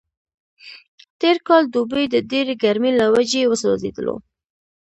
تېر کال دوبی د ډېرې ګرمۍ له وجې وسوځېدلو.